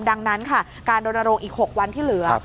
ดังนั้นค่ะการรณรงค์อีก๖วันที่เหลือ